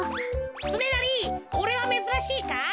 つねなりこれはめずらしいか？